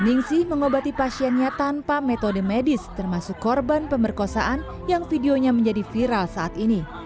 ningsih mengobati pasiennya tanpa metode medis termasuk korban pemerkosaan yang videonya menjadi viral saat ini